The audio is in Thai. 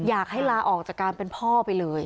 อยากให้ลาออกจากการเป็นพ่อไปเลย